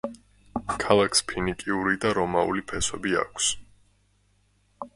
ქალაქს ფინიკიური და რომაული ფესვები აქვს.